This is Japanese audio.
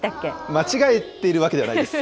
間違えているわけではないです。